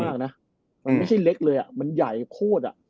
มากนะมันไม่ใช่เล็กเลยอ่ะมันใหญ่โคตรอ่ะ